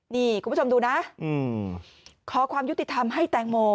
นี่คุณผู้ชมดูนะขอความยุติธรรมให้แตงโม